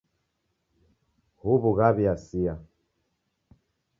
Huw'u ghaw'iasia.